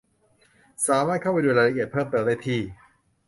สามารถเข้าไปดูรายละเอียดเพิ่มเติมได้ที่